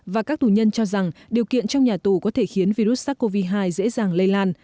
và các tù nhân cho rằng điều kiện trong nhà tù có thể khiến virus sars cov hai dễ dàng lây lan